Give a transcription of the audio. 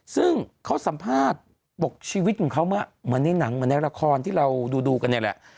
ซึ่งเขาสัมภาษณ์ปกชีวิตของเขามาในหนังมาในละครที่เราดูกันเนี่ยแหละ